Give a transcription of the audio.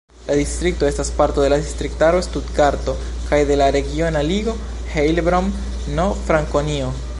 La distrikto estas parto de la distriktaro Stutgarto kaj de la regiona ligo Heilbronn-Frankonio.